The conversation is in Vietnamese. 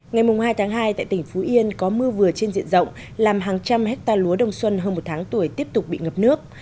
ngày hai tháng hai tại tỉnh phú yên có mưa vừa trên diện rộng làm hàng trăm hectare lúa đông xuân hơn một tháng tuổi tiếp tục bị ngập nước